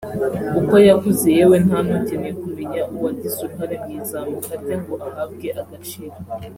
uko yakuze yewe nta n’ukeneye kumenya uwagize uruhare mu izamuka rye ngo ahabwe agaciro